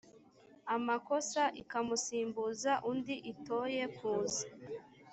amakosa ikamusimbuza undi itoye kuza